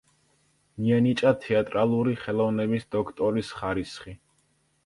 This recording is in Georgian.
მიენიჭა თეატრალური ხელოვნების დოქტორის ხარისხი.